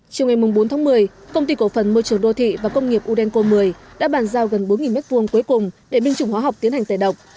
chiều ngày bốn tháng một mươi công ty cổ phần môi trường đô thị và công nghiệp udenco một mươi đã bàn giao gần bốn m hai cuối cùng để binh chủng hóa học tiến hành tẩy độc